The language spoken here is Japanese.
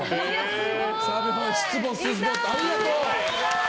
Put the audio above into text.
ありがとう！